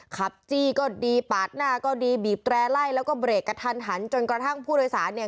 จี้ก็ดีปาดหน้าก็ดีบีบแตร่ไล่แล้วก็เบรกกระทันหันจนกระทั่งผู้โดยสารเนี่ย